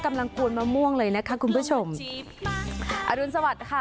กวนมะม่วงเลยนะคะคุณผู้ชมอรุณสวัสดิ์ค่ะ